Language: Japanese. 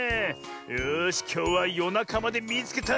よしきょうはよなかまで「みいつけた！」